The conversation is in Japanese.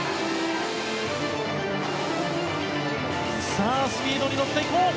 さあ、スピードに乗っていこう！